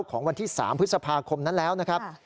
ของวันที่๓พฤษภาคมนั้นแล้วนะครับ